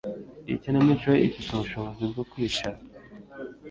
Iyi kinamico ifite ubushobozi bwo kwicara .